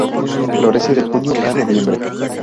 Florece de junio a noviembre.